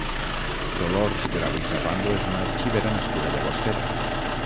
Dolors Grau i Ferrando és una arxivera nascuda a Llagostera.